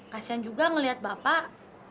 kasihan juga ngeliat bapak